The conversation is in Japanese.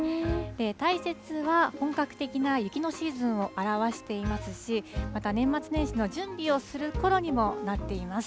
大雪は、本格的な雪のシーズンを表していますし、また、年末年始の準備をするころにもなっています。